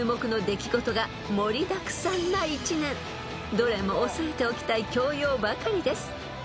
［どれも押さえておきたい教養ばかりです］